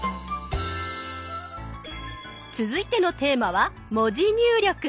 続いてのテーマは「文字入力」。